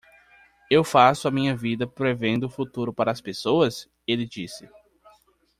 "Eu faço a minha vida prevendo o futuro para as pessoas?" ele disse.